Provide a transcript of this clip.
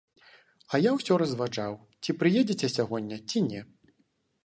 А я ўсё разважаў, ці прыедзеце сягоння, ці не.